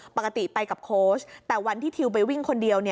ปกติไปกับโค้ชแต่วันที่ทิวไปวิ่งคนเดียว